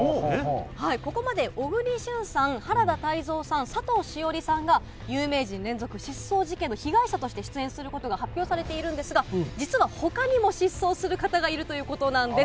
ここまで小栗旬さん、原田泰造さん、佐藤栞里さんが有名人連続失踪事件の被害者として出演することが発表されているんですが、実はほかにも失踪する方がいるということなんです。